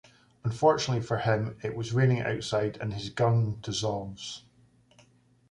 Unfortunately for him, it was raining outside and his gun dissolves.